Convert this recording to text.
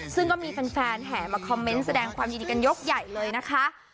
ซึ่งก็มีแฟนแห่มาคอมเมนต์แสดงความยินดีกันยกใหญ่เลยนะคะ